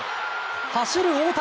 走る大谷。